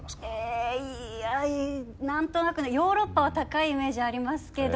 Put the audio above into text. えぇいや何となくねヨーロッパは高いイメージありますけど。